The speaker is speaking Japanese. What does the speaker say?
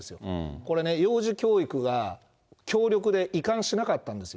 これね、幼児教育が、協力で移管しなかったんですよ。